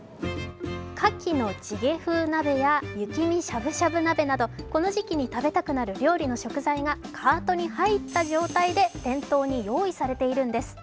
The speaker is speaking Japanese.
牡蠣のチゲ風鍋や雪見しゃぶしゃぶ鍋などこの時期に食べたくなる料理の食材がカートに入った状態で店頭に用意されているんです。